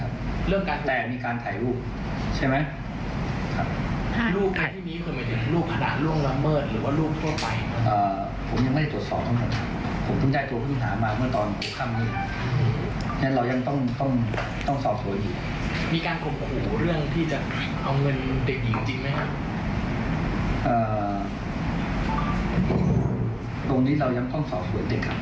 ตรงนี้เรายังต้องสอบส่วนเด็กครับ